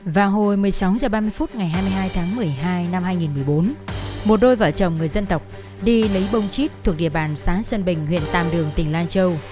vào hồi một mươi sáu h ba mươi phút ngày hai mươi hai tháng một mươi hai năm hai nghìn một mươi bốn một đôi vợ chồng người dân tộc đi lấy bông chít thuộc địa bàn xã sơn bình huyện tàm đường tỉnh lai châu